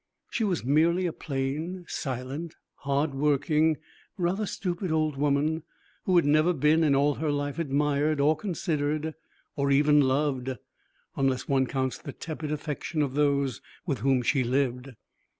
She was merely a plain, silent, hard working, rather stupid old woman, who had never been in all her life admired or considered, or even loved, unless one counts the tepid affection of those with whom she lived.